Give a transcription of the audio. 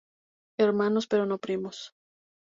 Hermanos, pero no primos